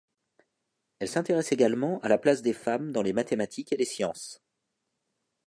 Elle s'intéresse également à la place des femmes dans les mathématiques et les sciences.